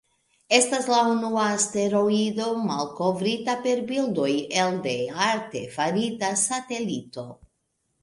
Estas la unua asteroido malkovrita per bildoj elde artefarita satelito.